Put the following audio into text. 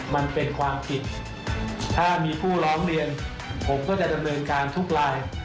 มันเป็นความผิดถ้ามีผู้ร้องเรียนผมก็จะดำเนินการทุกราย